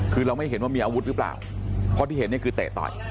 คือเราไม่เห็นว่ามีอาวุธหรือเปล่าเพราะที่เห็นเนี่ยคือเตะต่อย